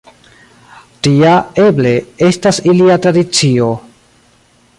Tia, eble, estas ilia tradicio.